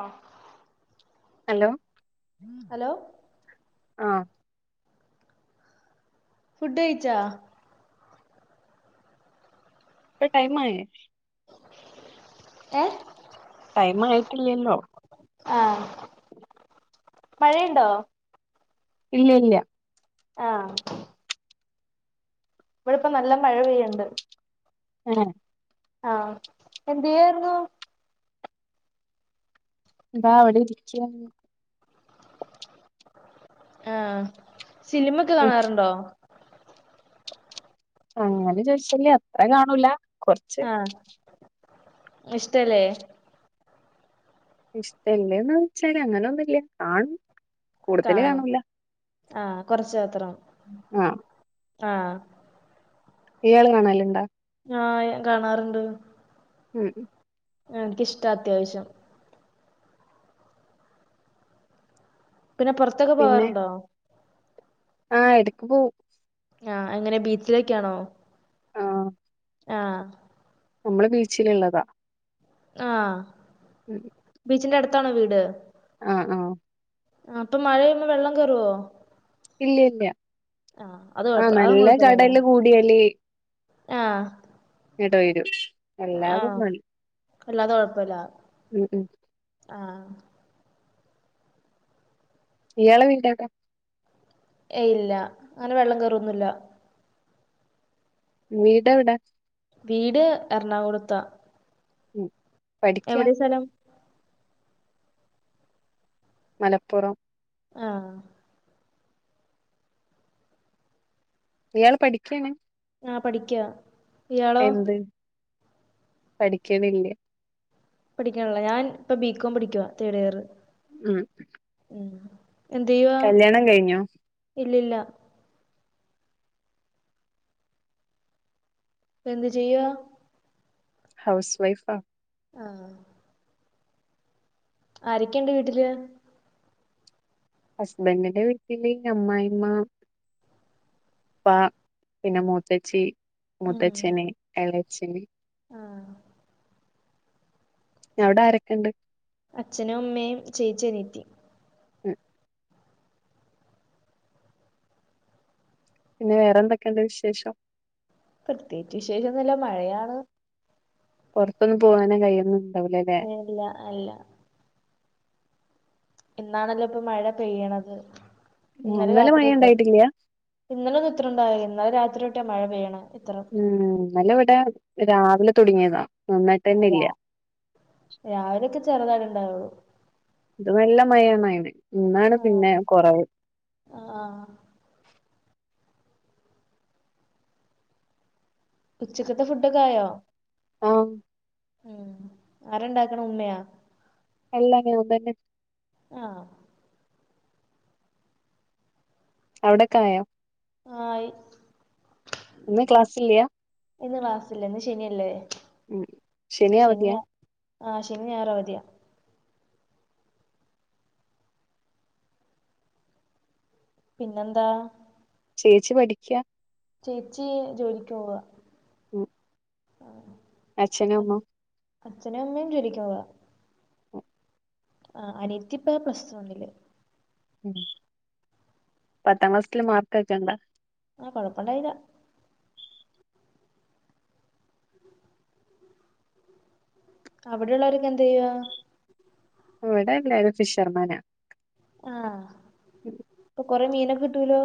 ആഹ hello ഉ hello ആഹ food കഴിച്ചാ പ്പോ ടൈമ ആ ഏ ടൈം ആയിട്ടില്ലല്ലോ ആഹ മഴയുണ്ടോ ഇല്ല ഇല്ല ആഹ ഇവിടെ ഇപ്പോ നല്ല മഴ പെയ്യണ്ട് ആ ആഹ എന്ത് ചെയ്യായിരുന്നു ന്താവിടെ ദിച്ച ആഹ് സിനിമക്കെ കാണാറുണ്ടോ? അങ്ങനെ ചോയ്ച്ചാല് അത്രേം കാണൂല. കൊറച്ച് ആഹ് ഇഷ്ടല്ലേ [unintelligible] ഇഷ്ടല്ലേന്ന് ചോയ്ച്ചാ അങ്ങനെ ഒന്നുല്ല കാണും. കൂടുതല് കാണും കാണൂല ആഹ് കൊറച്ച് മാത്രം ആഹ് ആഹ് ഇയാള് കാണലുണ്ടാ ആഹ് ഞാൻ കാണാറുണ്ട് ഉം എനിക്കിഷ്ട അത്യാവശ്യം പിന്നെ പുറത്തൊക്കെ പിന്നെ പോവാറുണ്ടോ ആഹ് എടക്ക് പോകും. ആഹ് എങ്ങനെ ബീച്ചിലേക്കാണോ? ആഹ് ആഹ് നമ്മള് ബീച്ചിലുള്ളതാ ആഹ് ഉം ബീച്ചിന്റെ അടുത്താണോ വീട് ആഹ് ആഹ് അപ്പൊ മഴപെയ്യുമ്പോ വെള്ളം കേറുവോ ഇല്ല ഇല്ല ആഹ് അത് ആഹ് കൊഴപ്പ അതൊന്നും നല്ല കൊഴപ്പല്ലാല്ലേ കടല് കൂടിയാല് ആഹ് ഇടയിരു ആഹ് അല്ലാതെ കൊഴപ്പില്ല ഉം ഉം ആഹ് ഇയാള വീടെവിടാ ഏയ് ഇല്ല അങ്ങനെ വെള്ളം കേറുവൊന്നില്ല വീട് എവിടാ വീട് എറണാകുളത്ത ഉം പഠിക്കാ എവിടെ സ്ഥലം മലപ്പുറം ആഹ് ഇയാൾ പഠിക്കേണ് ആഹ് പഠിക്ക എന്ത് പഠിക്കണില്ലേ പഠിക്കാനുള്ള ഞാൻ ഇപ്പ ബികോം പഠിക്കുവാ തേർഡ് ഇയർ ഉം ഉം എന്ത് ചെയ്യുവാ കല്യാണം കഴിഞ്ഞോ ഇല്ലില്ല ഇപ്പൊ എന്തു ചെയ്യുവാ ഹൗസ് വൈഫാ ആഹ് ആരൊക്കെയുണ്ട് വീട്ടില് ഹസ്ബൻഡിന്റെ വീട്ടില് ഈ അമ്മായിമ്മ ഉപ്പ പിന്നെ മുത്തച്ചി ഉം മുത്തച്ചണ ഇളച്ചിന ആഹ് ഞ അവിടെരൊക്കെ ഉണ്ട് അച്ഛനും അമ്മയും ചേച്ചി അനിയത്തി ഉം പിന്നെ വേറെ എന്തൊക്കെയുണ്ട് വിശേഷം പ്രത്യേകിച്ച് വിശേഷം ഒന്നുല്ല മഴയാണ് പുറത്തൊന്ന് പോകാന കയൊന്നി അല്ല അല്ല ഇാണല്ലോ ഇപ്പൊ മഴ പെയ്യണത് ഒന്നല മഴ ഉണ്ടായിട്ടില്ലയാ ഇന്നലെ ഒന്ന ഇത്ര ഉണ്ടാവില്ല ഇന്നലെ രാത്രിൊട്ടിയ മഴ പെയ്യണ ഇത്രം ഉം നല്ല ഇവിടെ രാവിലെ തുടങ്ങിയതാ നന്നായിട്ട് ആ തന്നെ രാ ഇല്ല രാവിലെയൊക്കെ ചെറുതായിട്ടണ്ടാവുള്ളൂ ഇത് വെല്ല മഴാണ് അയിന് ഇന്നാണ് പിന്നെ കുറവ് ആഹ ഉച്ചക്കത്തെ ഫുഡൊക്കായോ ആഹ ഉം അരണ്ടാക്കണ ഉമ്മയാ എല്ല നന്നന്നെ ആഹ അവിടക്ക ആയോ ആയി ഒന്നും ക്ലാസ്സില്ല ഇന്ന് ക്ലാസില്ല ഇന്ന് ശനല്ലേ ഉം ശനി അവധിയാ ശനിയാ ആ ശനിഞായറും അവധിയ പിന്നെന്താ ചേച്ചി പഠിക്കുവാ ചേച്ചി ജോലിക്ക് പോവുക മ് ആ ആ അച്ഛനും അമ്മയും [unintelligible] ആ അനയത്തിപ്പാ പ്ലസ് വൺല മ് പത്താം ക്ലാസ്ല്ല് മാർക്ക്ക്കണ്ട ആ കുഴപ്പമണ്ടായില്ലാ അവിടെള്ളവർക്ക് എന്തു ചെയ്യ അവിടെ എല്ല ഒരു ഫിഷർമാന ആ അപ്പൊ കൊറെ മീനൊക്കെ കിട്ടൂലോ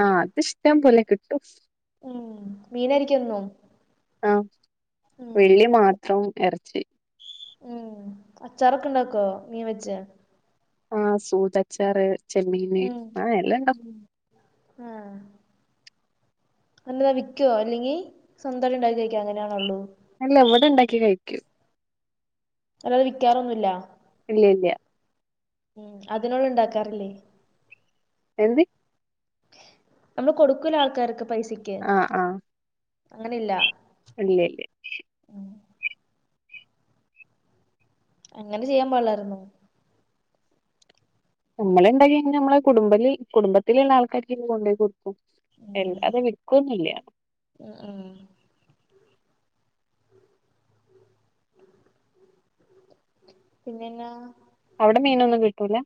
ആ അത് ഇഷ്ടം പോലെ കിട്ടും മ് മീനരിക്കോന്നും ആ വെള്ളി മാത്രം ഇറച്ചി മ് അച്ചാറൊക്കെ ഇണ്ടാക്കോ മീൻ വെച്ച ആ സൂതച്ചാറ് ചെമ്മീന് ആ എല്ലാം ഉണ്ടാക്കും ആ അത് വിൽക്കുവോ അല്ലെങ്കിൽ സ്വന്തം ഉണ്ടാക്കി കഴിക്കുവോ അങ്ങനെയണള്ളൂ അല്ല ഇവിടെ ഉണ്ടാക്കി കഴിക്കൂ അല്ലാതെ വിൽക്കാറൊന്നുമ ഇല്ല ഇല്ല ഇല്ലയ ഉം അതിനോള്ള ഉണ്ടാക്കാറില്ലേ എന്ത്‌ നമ്മള് കൊടുക്കൂല ആൾക്കാര്ക്ക് പൈസക്ക് ആഹ് ആഹ് അങ്ങനെല്ല ഇല്ല അങ്ങനെ ചെയ്യാൻ പാടില്ലായിരുന്നു നമ്മളെന്തണ്ടാക്കി കാ നമ്മെ കുടുംബ കുടുംബത്തിലുള്ളള്ള ആൾക്കാക്ക് കൊണ്ട പോയി അത് വിൽക്കുംന്നില്ല ആ ആ പിന്നന്നാ അവിടെ മീനൊന്നും കിട്ടൂല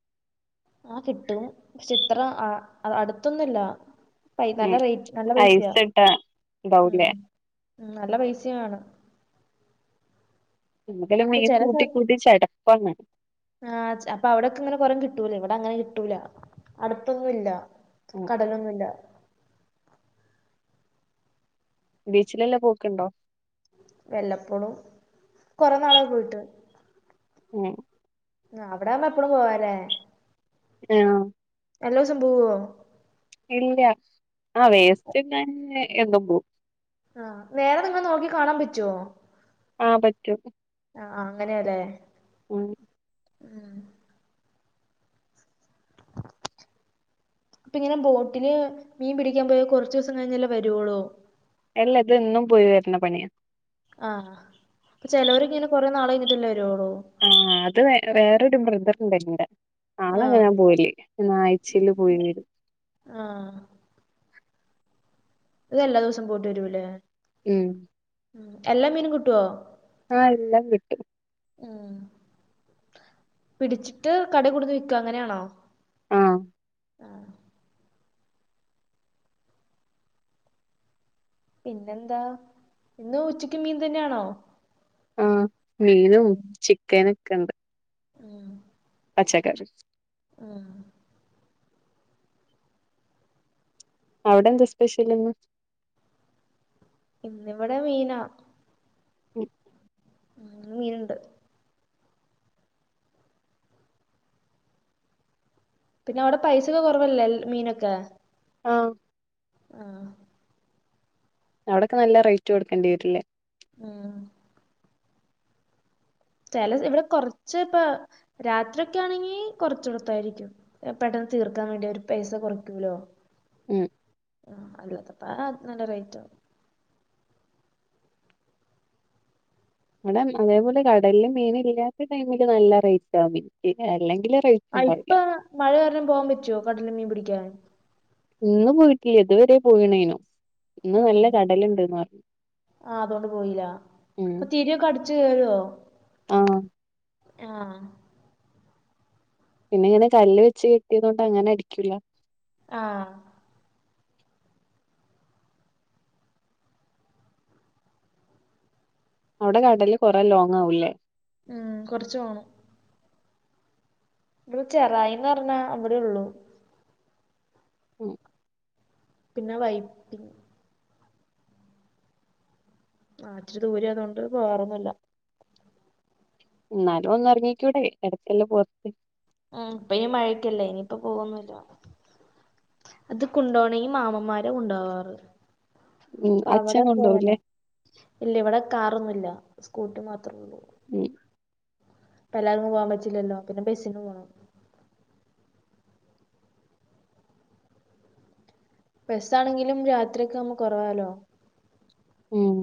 ആ കിട്ടും പക്ഷെ ഇത്ര അടുത്തൊന്നുമില്ല പ നല്ല ഉം റേറ്റ് നല്ല ഐസ് പൈസയാണ് ഇട്ട ഇണ്ടാവൂലേ മ് നല്ല പൈസയുണ് നക്കും ഇപ്പൊ മീൻ ചില കൂട്ടി സ്ഥല കൂട്ടി ചിടപ്പാണ് ആഹ് അപ്പൊ അവിടൊക്കെ ഇങ്ങനെ കൊറം കിട്ടൂല ഇവിടെ അങ്ങനെ കിട്ടൂല അടുപ്പൊന്നുംല്ല കടലൊന്നുമില്ല ബീച്ചിലെല്ലെ പോക്കണ്ടോ വല്ലപ്പോഴും കുറ നാളായി പോയിട്ട് മ് ആ അവിടൊവുമ്പോ എപ്പഴും പോവാലേ ആ എല്ലോവസം പോവോ ഇല്ല ആ വേസ്റ്റ്ങ്ങെ എന്തും പോ ആ നേരെ നിങ്ങൾ നോക്കി കാണാൻ പറ്റുവോ ആ പറ്റും ആ അങ്ങനെയല്ലെ.. മ് ആഹ് ഇപ്പ ഇങ്ങനെ ബോട്ടില് മീൻ പിടിക്കാൻ പോയാ കുറച്ച് ദിവസം കഴിഞ്ഞല്ലേ വരുവോളൂ? എല്ലാ അത് എന്നും പോയി വരുന്ന പണിയ. ആഹ് അപ്പ ചിലവര്ക്കെ ഇങ്ങനെ കൊറെ നാള് കഴിഞ്ഞിട്ടല്ലേ വരുവോളു? ആഹ് അത് വേറൊരു ബ്രദറണ്ട്ന്നീടെ ആഹ് ആളെങ്ങനാൻ പോയില് എന്നാ ആഴ്ചയില് പോയി വരും. ആഹ് ഇതെല്ലാ ദിവസവും പോയിട്ട് വരുൂല്ലേ? മ്ഹ് മ്ഹ് എല്ലാ മീനും കിട്ടുവോ? ആഹ് എല്ലാം കിട്ടും ഉം പിടിച്ചിട്ട് കടെ കൊണ്ടൂന്ന് വിൽക്കും അങ്ങനെയാണോ? ആഹ് ആഹ് പിന്നെന്താ ഇന്ന് ഉച്ചക്ക് മീൻ തന്നെയാണോ? ആഹ് മീനും ചിക്കനൊക്കെ ഉണ്ട്. മ്ഹ് പച്ചക്കറി ആഹ് അവിടെ എന്താ സ്പെഷ്യലിന്ന്? ഇന്നിവിടെ മീനാ. മ്ഹ് ഇന്ന് മീനുണ്ട് പിന്നെ അവിടെ പൈസൊക്കെ കുറവല്ലേ ലെ മീനൊക്കെ? ആഹ് ആഹ് അവിടൊക്കെ നല്ല റേറ്റ് കൊടുക്കേണ്ടി വരില്ലേ? ആഹ് ചില ഇവിടെ കൊറച്ച് ഇപ്പ രാത്രി ഒക്കെ ആണെങ്കി കൊറച്ചടത്തായിരിക്കും. പെട്ടെന്ന് തീർക്കാൻ വേണ്ടി അവരു പൈസ കുറയ്ക്കൂലോ. ആഹ് ആഹ് അല്ലാതപ്പ ത് നല്ല റേറ്റാ. ഇവിടെ അതേപോലെ കടലിലു മീനില്ലാത്ത ടൈമില് നല്ല റേറ്റാ മീന് അല്ലെങ്കിലു റേ ആഹ് ഇപ്പ മഴ കാരണം പോവാൻ പറ്റോ കടലിൽ മീൻ പിടിക്കാൻ? ഇന്ന് പോയിട്ടില്ല ഇതുവരേ പോയിണേനു ഇന്ന് നല്ല കടലുണ്ട്ന്ന് പറഞ്ഞു. ആഹ് അതുകൊണ്ട് പോയില്ല ഉം അപ്പൊ തിരിയൊക്കെ അടച്ച് കേറുവോ? ആഹ് ആഹ് പിന്നെ ഇങ്ങനെ കല്ല് വെച്ച് കെട്ടിയതുകൊണ്ട് അങ്ങനെ അടിക്കൂല്ല. ആഹ് അവിടെ വെടല് കുറെ ലോങ്ങ ആവല്ലേ? മ്ഹ് കുറച്ച് പോണം. ഇവടെ ചെറായിന്ന് പറഞ്ഞാ അവിടെ ഉള്ളൂ. മ്ഹ് പിന്നെ വൈപ്പി ആഹ് ഇച്ചിരി ദൂരെയാ അതുകൊണ്ട് പോവാറൊന്നൂല്ല. എന്നാലും ഒന്ന് ഇറങ്ങക്കൂടെ ഇടയ്ക്കല്ലാം പുറത്ത് മ്ഹ് ഇപ്പൊ ഇനി മഴക്കല്ലേ ഇനിയിപ്പ പോകുന്നുല്ല. അത് കൊണ്ടപോണെങ്കി മാമന്മാര കൊണ്ടോവാാറ് ഉം അപ്പ അച്ഛൻ അവിടെ പോയാല കൊണ്ടോവൂലേ ഇല്ല ഇവിടെ കാറൊന്നു ഇല്ല സ്കൂട്ടി മാത്രമേ ഉള്ളൂ. മ്ഹ് എല്ലാവർക്കും പോകാൻ പറ്റില്ലല്ലോ പിന്നെ ബെസിന് പോകണം ബസ്സ ആണെങ്കിലും രാത്രിയ ഒക്കെ നമ്മക്ക് കുറവാാലോ ഉം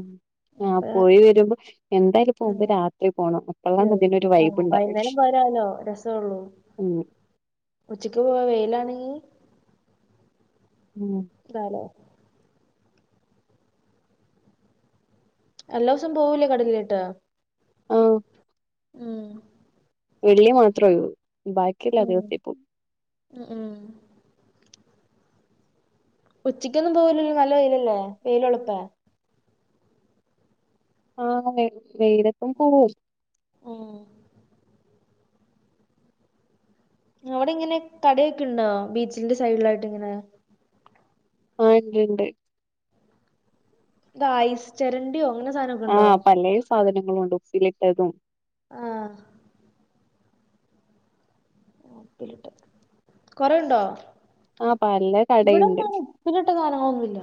ആഹ അപ്പ പോയി വരുമ്പോ എന്തായാലും പോകുമ്പോ ആഹ് രാത്രി പോകണം എപ്പോള്ളന്ന് അതിനൊരു വൈബ് ഉണ്ടാവ ന പോരാലോ രസമള്ളൂ ഉച്ചക്ക് പോവാ വെയിലാണെങ്കി ഉം നാലോ എല്ലാ ദിവസം പോവൂലേ കടകിലിട്ട് ഓ ഉം വെള്ളി മാത്രൂ ബാക്കിയുള്ള ദിവസ ഇപ്പ ഉ ഉം ഉച്ചയ്ക്ക്ൊന്നും പോവലല്ലോ നല്ല വെയിലല്ലേ വെയിലുളപ്പ ആഹ വെതപ്പും പോവോ ആഓ അവിടെ ഇങ്ങനെ കടൊക്കെ ഉണ്ടോ ബീച്ചിന്റെ സൈഡിലായിട്ട് ഇങ്ങനെ ആ ഉണ്ട് ഉണ്ട് ായിസ് ചരണ്ടിയോ അങ്ങനെ സാധന ആഹ് പല സാധനങ്ങളുംുണ്ട് ഉസിിലിട്ടതും ആ കൊറെുണ്ടോ ആഹ് പല കടയുണ്ട് ഇവിടെന്നാണ് പിന്നട്ട സാധനങ്ങളൊന്നുമല്ല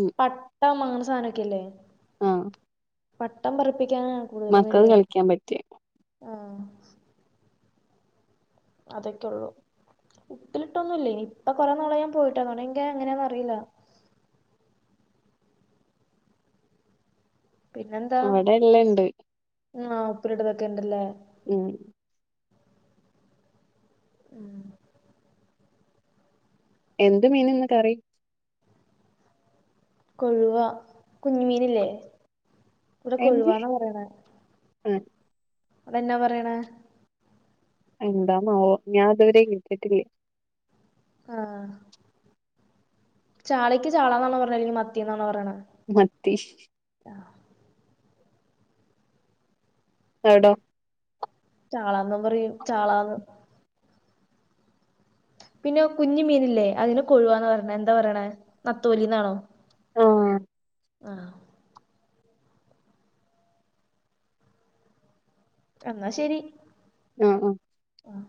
ഉം പട്ട അങ്ങന സാധനമൊക്കെല്ലേ ആഹ. പട്ടം പിപ്പിക്കാന കൂടുതല മക്കൾക്ക് പരിവാരം കളിക്കാൻ പറ്റിയ ആഹ. അതൊക്കെയ ഉള്ളൂ ഉപ്പിലിട്ടൊന്നും ഇല്ലേ ഇനി ഇപ്പൊ കൊറെേ നോള ഞാൻ പോയിട്ടാന്നോട എങ്ക എങ്ങനെയാന്ന അറിയില്ല. പിന്നെന്താ അവിടെ എല്ലണ്ട് ആ ഉപ്പരി ഇടതൊക്കെ ഇണ്ടല്ലേ ഉം ഉം എന്ത് മീൻന്ന് കറി കൊഴുവ കുഞ്ഞ മീനല്ലേ എന്ത് ഉ അതെന്നാ പറയണ എന്താ മാവോ ഞാൻ അതുവരെ കളട്ടട്ടില്ലേ ആഹ ചാളക്ക് ചാളാന്നാണ് പറഞ്ഞത് അല്ലെങ്കിൽ മത്തിയന്നാാണ് പറയത് മത്തി തടോ ചാളന്നാ പറയും ചാളന്ന് പിന്നെ കുഞ്ഞഞ് മീനല്ലേ അതിന് കൊഴുവാന്ന് പറയണ എന്താ പറയണ നത്തോലിന്നാണോ ആഹ ആഹ് എന്നാ ശരി ആ ആഹ